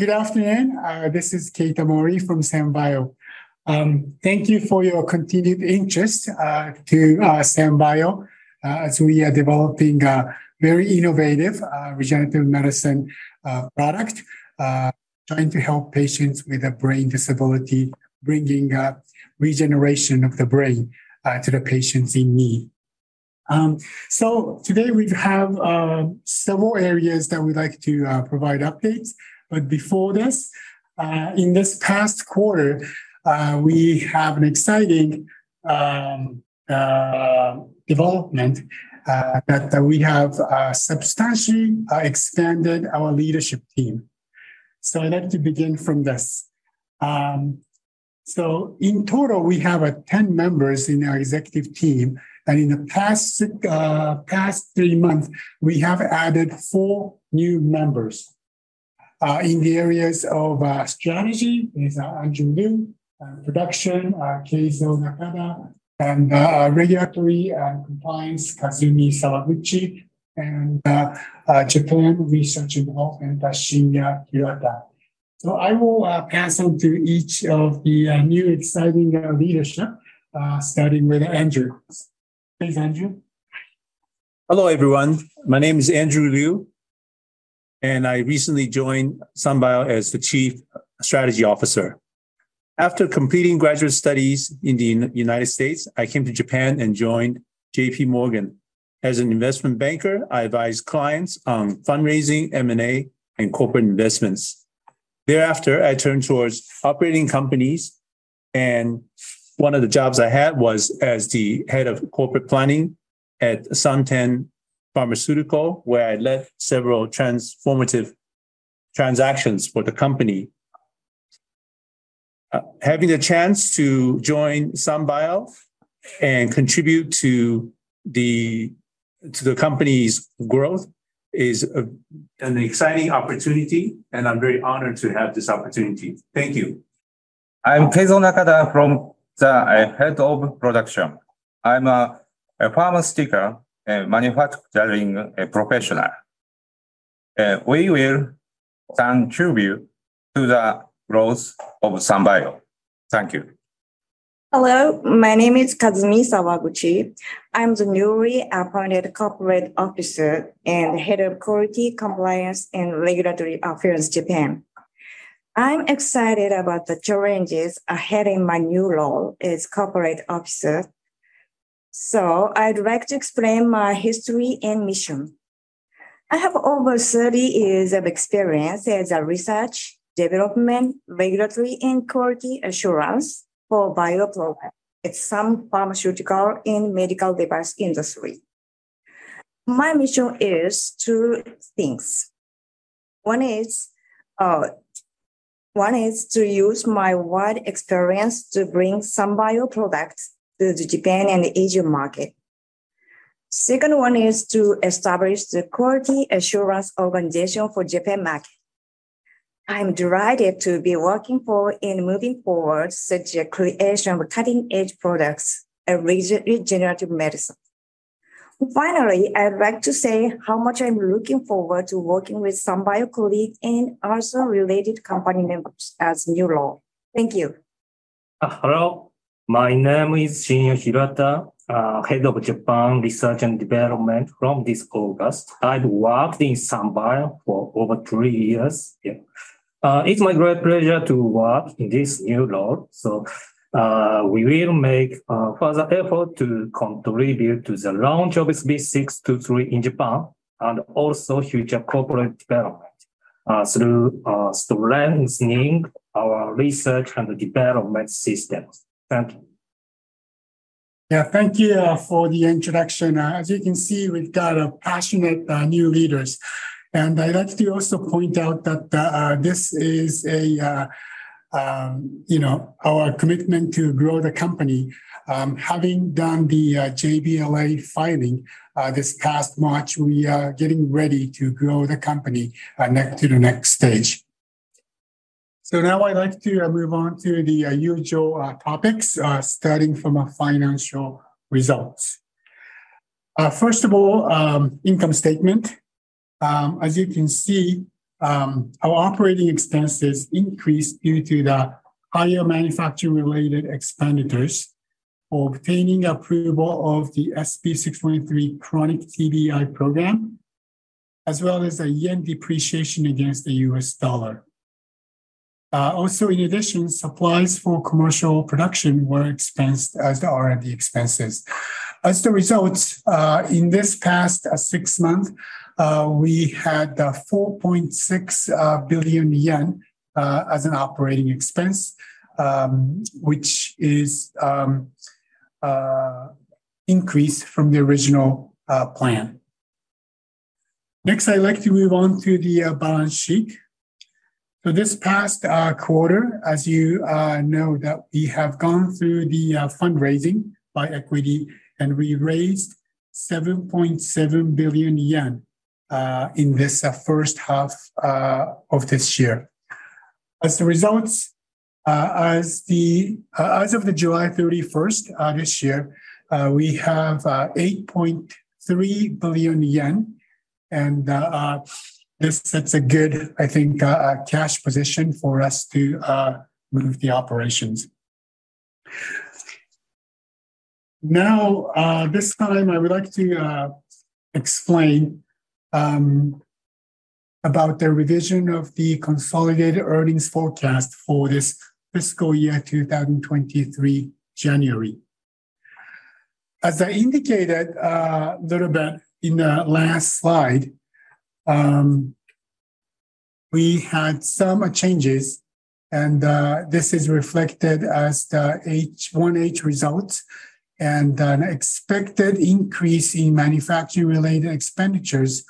Good afternoon. This is Keita Mori from SanBio. Thank you for your continued interest in SanBio. As we are developing very innovative regenerative medicine products, trying to help patients with a brain disability, bringing up regeneration of the brain to the patients in need. Today we have several areas that we'd like to provide updates. Before this, in this past quarter, we have an exciting development that we have substantially expanded our leadership team. I'd like to begin from this. In total, we have 10 members in our executive team. In the past three months, we have added four new members in the areas of Strategy with Andrew Liu, Production, Keizo Nakata, and Regulatory and Compliance, Kazumi Sawaguchi, and Japan Research and Development, Toshiya Iwata. I will pass on to each of the new exciting leadership, starting with Andrew. Please, Andrew. Hello, everyone. My name is Andrew Liu, and I recently joined SanBio as the Chief Strategy Officer. After completing graduate studies in the United States, I came to Japan and joined JPMorgan. As an investment banker, I advised clients on fundraising, M&A, and corporate investments. Thereafter, I turned towards operating companies, and one of the jobs I had was as the Head of Corporate Planning at SunTen Pharmaceutical, where I led several transformative transactions for the company. Having the chance to join SanBio and contribute to the company's growth is an exciting opportunity, and I'm very honored to have this opportunity. Thank you. I'm Keizo Nakata, Head of Production. I'm a pharmaceutical and manufacturing professional. We will turn to you to the roles of SanBio. Thank you. Hello. My name is Kazumi Sawaguchi. I'm the newly appointed Corporate Officer and Head of Quality, Compliance, and Regulatory Affairs Japan. I'm excited about the challenges ahead in my new role as Corporate Officer. I'd like to explain my history and mission. I have over 30 years of experience as a research, development, regulatory, and quality assurance for bio products at some pharmaceutical and medical device industry. My mission is two things. One is to use my wide experience to bring SanBio products to the Japan and Asian market. The second one is to establish the quality assurance organization for the Japan market. I'm delighted to be working for and moving forward such a creation of cutting-edge products and regenerative medicine. Finally, I'd like to say how much I'm looking forward to working with SanBio colleagues and also related company members as a new role. Thank you. Hello. My name is Shinya Hirata, Head of Japan Research and Development from this August. I've worked in SanBio Company Limited for over three years. It's my great pleasure to work in this new role. We will make a further effort to contribute to the launch of SB623 in Japan and also future corporate development, through strengthening our research and development systems. Thank you. Thank you for the introduction. As you can see, we've got passionate new leaders. I'd like to also point out that this is our commitment to grow the company. Having done the JBLA filing this past March, we are getting ready to grow the company to the next stage. Now I'd like to move on to the usual topics, starting from our financial results. First of all, income statement. As you can see, our operating expenses increased due to the higher manufacturing-related expenditures, obtaining approval of the SB623 product TBI program, as well as a yen depreciation against the U.S. dollar. In addition, supplies for commercial production were expensed as the R&D expenses. As a result, in this past six months, we had 4.6 billion yen as an operating expense, which is increased from the original plan. Next, I'd like to move on to the balance sheet. For this past quarter, as you know, we have gone through the fundraising by equity, and we raised 7.7 billion yen in this first half of this year. As a result, as of July 31 of this year, we have 8.3 billion yen. This sets a good cash position for us to move the operations. This time, I would like to explain about the revision of the consolidated earnings forecast for this fiscal year 2023, January. As I indicated a little bit in the last slide, we had some changes, and this is reflected as the H1H results and an expected increase in manufacturing-related expenditures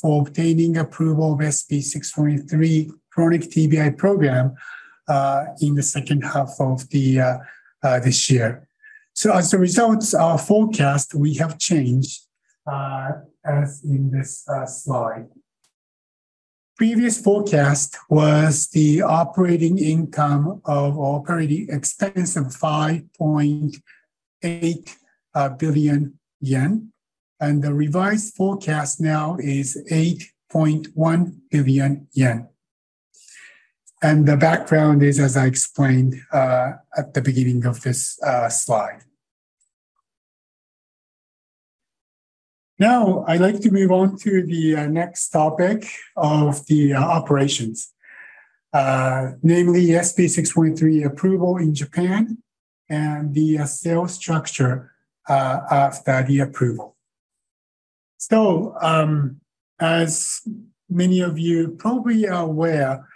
for obtaining approval of SB623 product TBI program in the second half of this year. As a result, our forecasts have changed, as in this slide. Previous forecast was the operating expenses of 5.8 billion yen, and the revised forecast now is 8.1 billion yen. The background is, as I explained at the beginning of this slide. Now, I'd like to move on to the next topic of the operations, namely SB623 approval in Japan and the sales structure after the approval. As many of you probably are aware,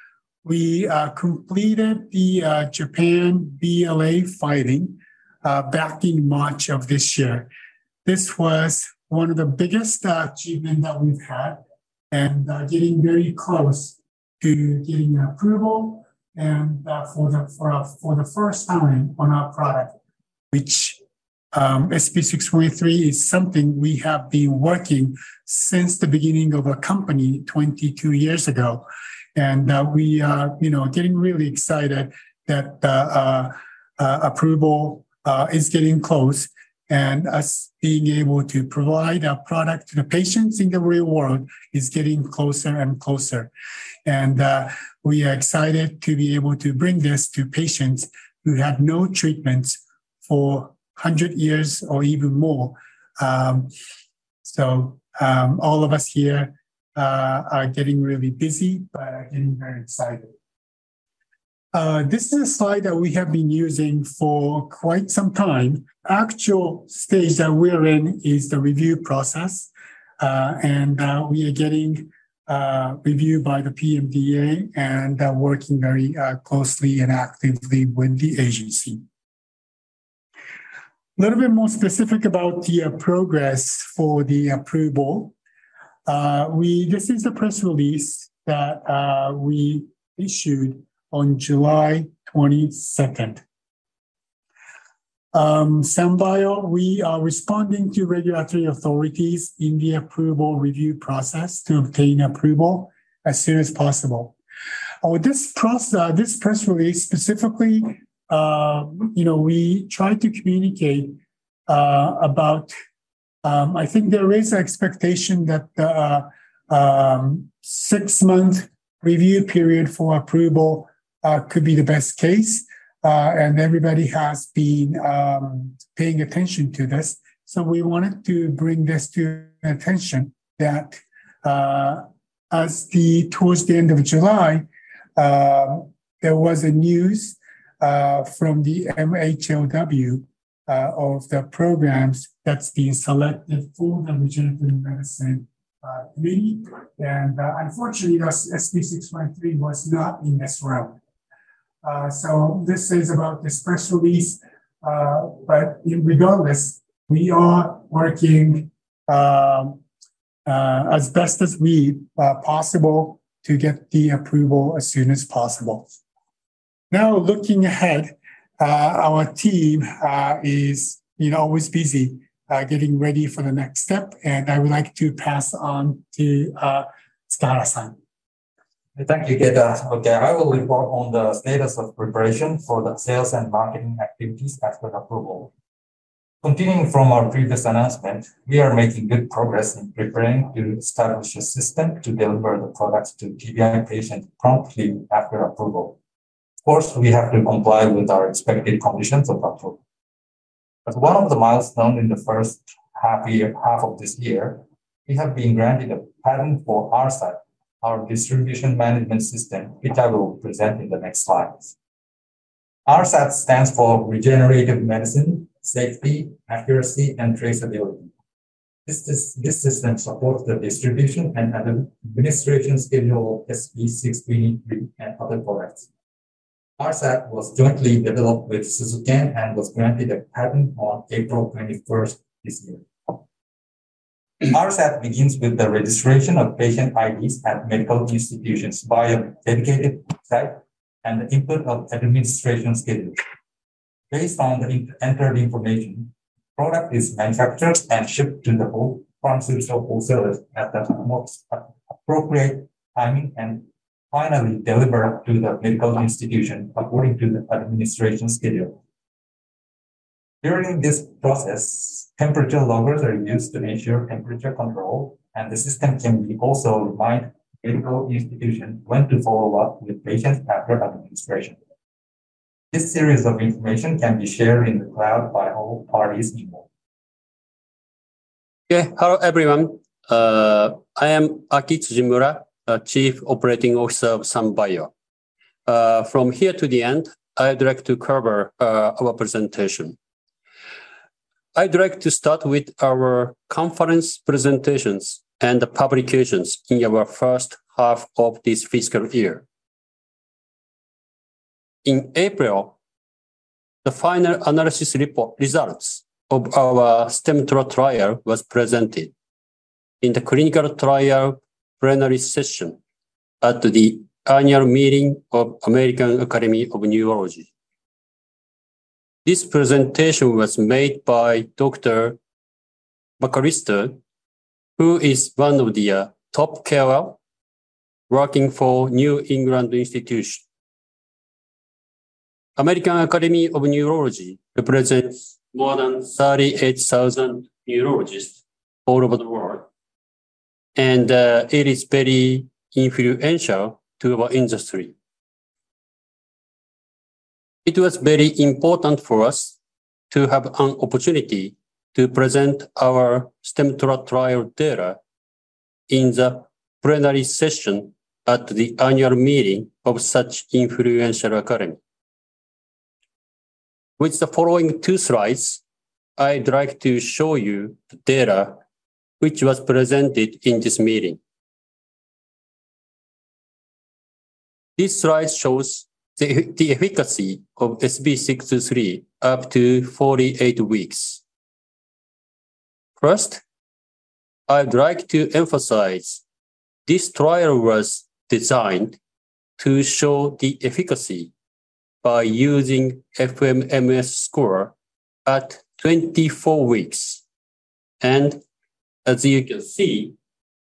we completed the Japan BLA filing back in March of this year. This was one of the biggest achievements that we've had, and getting very close to getting approval for the first time on our product, which SB623 is something we have been working on since the beginning of our company 22 years ago. We are getting really excited that the approval is getting close, and us being able to provide a product to the patients in the real world is getting closer and closer. We are excited to be able to bring this to patients who have had no treatments for 100 years or even more. All of us here are getting really busy, but getting very excited. This is a slide that we have been using for quite some time. The actual stage that we are in is the review process. Now we are getting reviewed by the PMDA and working very closely and actively with the agency. A little bit more specific about the progress for the approval, this is a press release that we issued on July 22. SanBio, we are responding to regulatory authorities in the approval review process to obtain approval as soon as possible. This press release specifically, you know, we try to communicate about, I think there is an expectation that the six-month review period for approval could be the best case, and everybody has been paying attention to this. We wanted to bring this to attention that towards the end of July, there was news from the MHLW of the programs that's being selected for regenerative medicine. Unfortunately, SB623 was not in this round. This is about this press release. Regardless, we are working as best as possible to get the approval as soon as possible. Now, looking ahead, our team is always busy getting ready for the next step. I would like to pass on to Star Ascent. Thank you, Keita. Okay. I will report on the status of preparation for the sales and marketing activities after the approval. Continuing from our previous announcement, we are making good progress in preparing the Star Ascent system to deliver the product to TBI patients promptly after approval. First, we have to comply with our expected conditions of approval. As one of the milestones in the first half of this year, we have been granted a patent for RSAT, our distribution management system which I will present in the next slides. RSAT stands for Regenerative Medicine, Safety, Accuracy, and Traceability. This system supports the distribution and administration signal SB623 and other products. RSAT was jointly developed with Suzuki and was granted a patent on April 21st this year. RSAT begins with the registration of patient IDs at medical institutions via a dedicated set and the input of administration schedules. Based on the entered information, the product is manufactured and shipped to the home pharmaceutical wholesalers at the most appropriate timing and finally delivered to the medical institution according to the administration schedule. During this process, temperature loggers are used to make sure temperature control and the system can be also aligned with the medical institution when to follow up with patients after administration. This series of information can be shared in the cloud by all parties involved. Okay. Hello, everyone. I am Akihiro Tsujimura, Chief Operating Officer of SanBio. From here to the end, I'd like to cover our presentation. I'd like to start with our conference presentations and the publications in our first half of this fiscal year. In April, the final analysis report results of our STEMTRA trial were presented in the clinical trial plenary session at the annual meeting of the American Academy of Neurology. This presentation was made by Dr. McCallister, who is one of the top carer working for New England Institution. The American Academy of Neurology represents more than 38,000 neurologists all over the world, and it is very influential to our industry. It was very important for us to have an opportunity to present our STEMTRA trial data in the plenary session at the annual meeting of such an influential academy. With the following two slides, I'd like to show you the data which was presented in this meeting. This slide shows the efficacy of SB623 up to 48 weeks. First, I'd like to emphasize this trial was designed to show the efficacy by using FMMS score at 24 weeks. As you can see,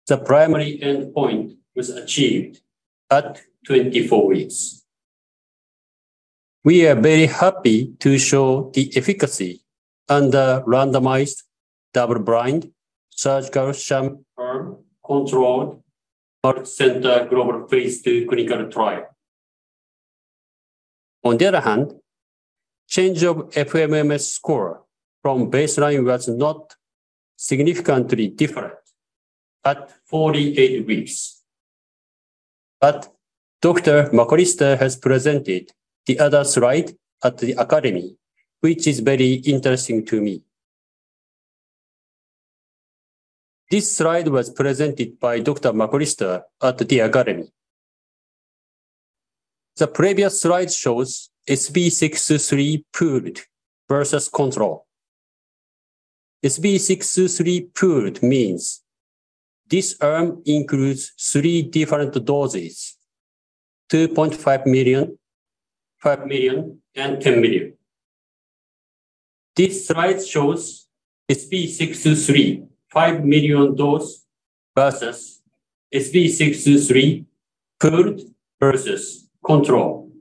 the primary endpoint was achieved at 24 weeks. We are very happy to show the efficacy under randomized double-blind surgical sham controlled heart center global phase two clinical trial. On the other hand, the change of FMMS score from baseline was not significantly different at 48 weeks. Dr. McCallister has presented the other slide at the academy, which is very interesting to me. This slide was presented by Dr. McCallister at the academy. The previous slide shows SB623 pooled versus controlled. SB623 pooled means this arm includes three different doses: 2.5 million, 5 million, and 10 million. This slide shows SB623, 5 million dose versus SB623, pooled versus controlled.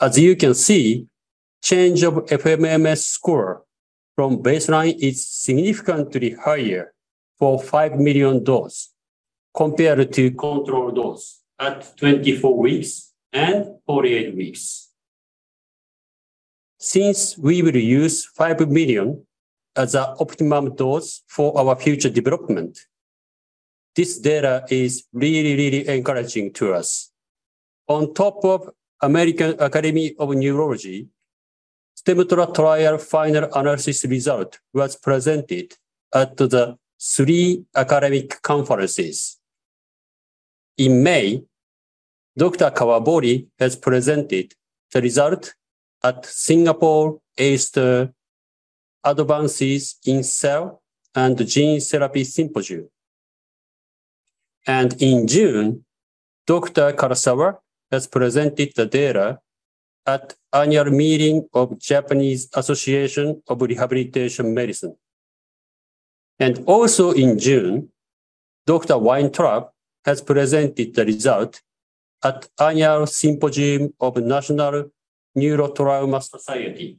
As you can see, the change of FMMS score from baseline is significantly higher for 5 million dose compared to controlled dose at 24 weeks and 48 weeks. Since we will use 5 million as the optimum dose for our future development, this data is really, really encouraging to us. On top of the American Academy of Neurology, STEMTRA trial final analysis result was presented at the three academic conferences. In May, Dr. Kawabori has presented the result at the Singapore AIDS Advances in Cell and Gene Therapy Symposium. In June, Dr. Karasawa has presented the data at the annual meeting of the Japanese Association of Rehabilitation Medicine. Also in June, Dr. Weintraub has presented the result at the annual symposium of the National Neurotrauma Society.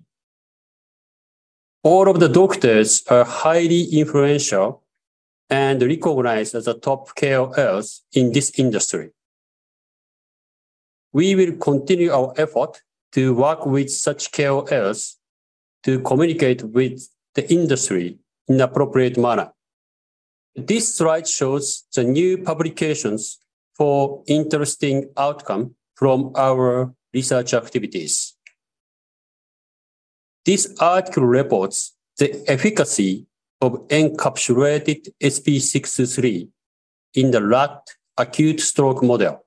All of the doctors are highly influential and recognized as the top carers in this industry. We will continue our effort to work with such carers to communicate with the industry in an appropriate manner. This slide shows the new publications for interesting outcomes from our research activities. This article reports the efficacy of encapsulated SB623 in the LUT acute stroke model.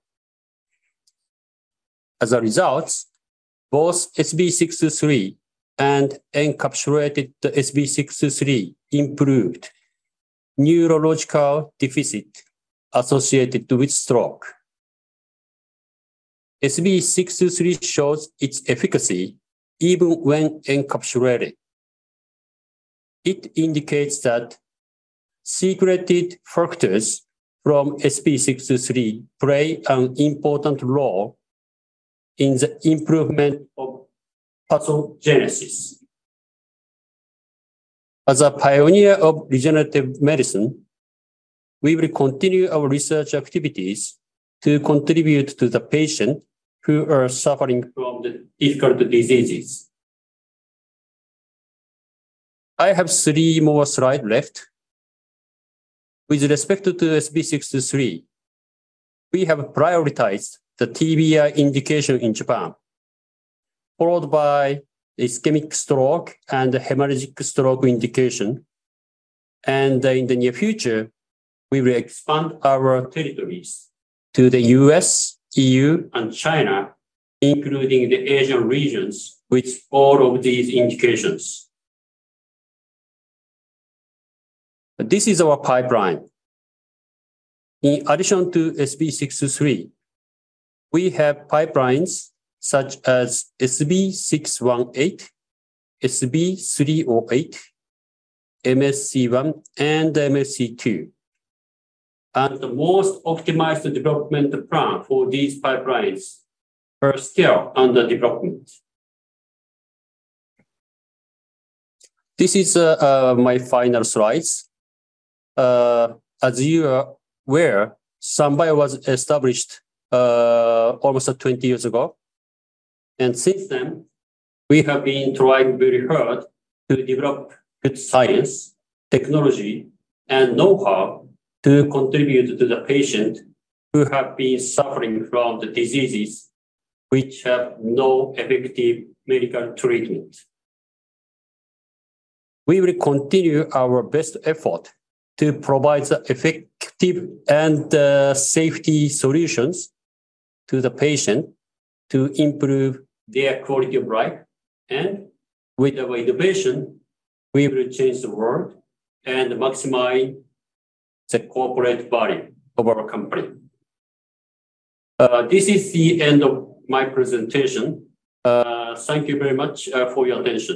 As a result, both SB623 and encapsulated SB623 improved neurological deficits associated with stroke. SB623 shows its efficacy even when encapsulated. It indicates that secreted factors from SB623 play an important role in the improvement of pathogenesis. As a pioneer of regenerative medicine, we will continue our research activities to contribute to the patients who are suffering from difficult diseases. I have three more slides left. With respect to SB623, we have prioritized the TBI indication in Japan, followed by the ischemic stroke and the hemorrhagic stroke indication. In the near future, we will expand our territories to the U.S., EU, and China, including the Asian regions with all of these indications. This is our pipeline. In addition to SB623, we have pipelines such as SB618, SB308, MSC1, and MSC2. The most optimized development plans for these pipelines are still under development. This is my final slide. As you are aware, SanBio Company Limited was established almost 20 years ago. Since then, we have been trying very hard to develop good science, technology, and know-how to contribute to the patients who have been suffering from the diseases which have no effective medical treatment. We will continue our best effort to provide the effective and safety solutions to the patients to improve their quality of life. With our innovation, we will change the world and maximize the corporate value of our company. This is the end of my presentation. Thank you very much for your attention.